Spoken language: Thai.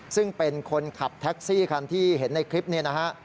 ซึ่งเป็นคนขับแท็กซี่คันที่เห็นในคลิปนี้นะฮะ